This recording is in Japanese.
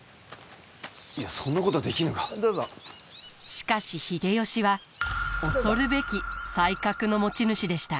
しかし秀吉は恐るべき才覚の持ち主でした。